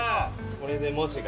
これで文字が。